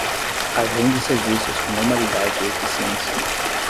Agende serviços com normalidade e eficiência.